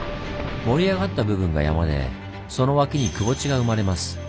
盛り上がった部分が山でその脇にくぼ地が生まれます。